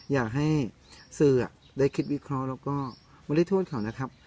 อยากให้สื่อได้คิดวิเคราะห์แล้วก็ไม่ได้โทษเขานะครับ